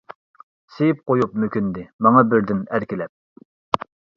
سىيىپ قويۇپ مۆكۈندى، ماڭا بىردىن ئەركىلەپ.